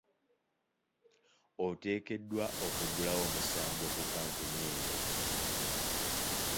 Oteekeddwa okuggulawo omusango ku kampuni eyo.